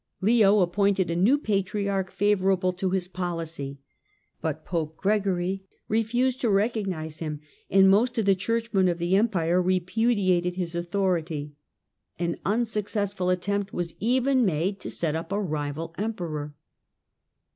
Leo appointed new patriarch favourable to his policy, but Pope Gre gory refused to recognise him, and most of the church aen of the Empire repudiated his authority. An msuccessful attempt was even made to set up a rival rmperor.